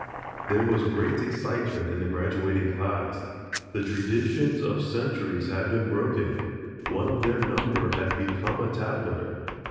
There was great excitement in the graduating class. The traditions of centuries had been broken. One of their number had become a tattler.